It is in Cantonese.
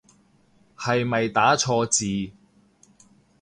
係咪打錯字